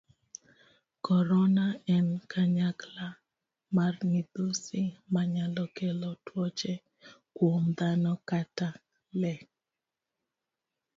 Korona en kanyakla mar midhusi manyalo kelo tuoche kuom dhano kata lee.